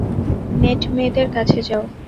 Net, মেয়েদের কাছে যাও।